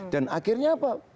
dan akhirnya apa